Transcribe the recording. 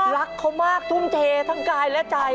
รักเขามากทุ่มเททั้งกายและใจ